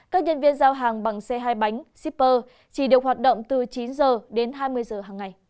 các nhân viên giao hàng bằng xe hai bánh shipper chỉ được hoạt động từ chín h đến hai mươi h hàng ngày